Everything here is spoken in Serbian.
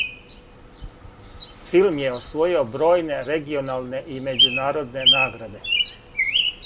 Филм је освојио бројне регионалне и међународне награде.